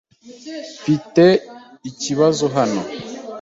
Mfite ikibazo hano.